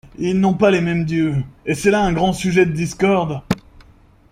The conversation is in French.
Ils n'ont pas les mêmes dieux, et c'est là un grand sujet de discorde.